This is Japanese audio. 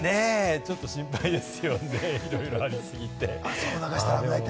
ちょっと心配ですよね、いろいろありすぎて。